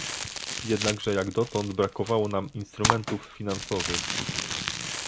Jednakże jak dotąd brakowało nam instrumentów finansowych